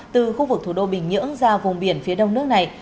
từ khu vực thủ đô bình nhưỡng ra vùng biển phía đông nước này